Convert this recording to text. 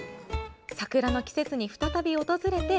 桜の季節に再び訪れて。